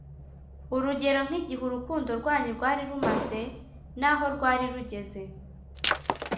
urugero nk’igihe urukundo rwanyu rwari rumaze n’aho rwari rugeze